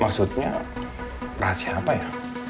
maksudnya rahasia apa ya